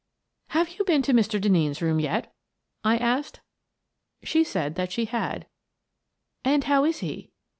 " Have you been to Mr. Denneen's room yet? " I asked. She said that she had. "And how is he?"